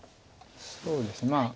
そうですね